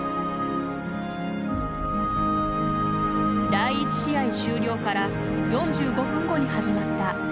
第１試合終了から４５分後に始まった第２試合。